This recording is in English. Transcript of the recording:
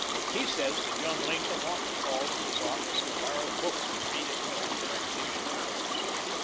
He says that young Lincoln often called at his office and borrowed books to read at home during leisure hours.